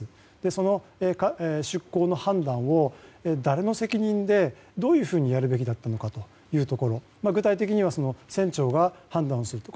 その出航の判断を誰の責任でどういうふうにやるべきだったのかというところ具体的には船長が判断をすると。